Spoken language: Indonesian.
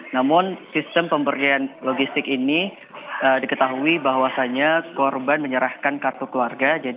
namun sistem pemberian logistik ini diketahui bahwasannya korban menyerahkan kartu keluarga